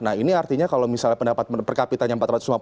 nah ini artinya kalau misalnya pendapat per kapitanya empat ratus lima puluh